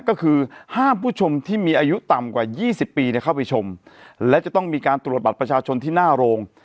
ก็คือห้ามผู้ชมที่มีอายุต่ำกว่า๒๐ปีเข้าไปชมและจะต้องมีการตรวจบัตรประชาชนที่หน้าโรง